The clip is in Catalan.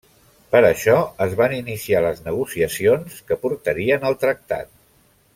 Per això es van iniciar les negociacions que portarien al Tractat.